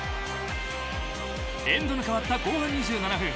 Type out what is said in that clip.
エンドが変わった後半２７分。